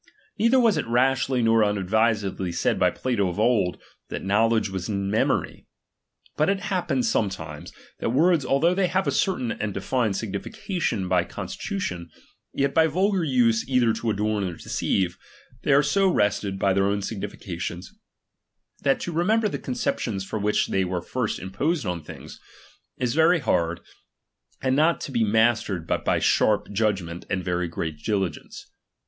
Neither was it rashly nor unadvisedly said by Plato of old, that knowledge teas memory^ But it happens sometimes, that words although they have a certain and defined signification by consti tution, yet by vulgar use either to adorn or deceive, they are so wrested from their own significationSj that to remember the conceptions for which they were first imposed on things, is very hard, and not to be mastered but by a sharp judgment and very great diligeuce.